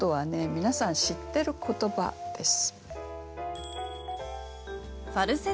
皆さん知ってる言葉です。